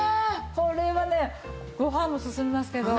これはねご飯も進みますけど日本酒ですね。